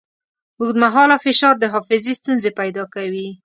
اوږدمهاله فشار د حافظې ستونزې پیدا کوي.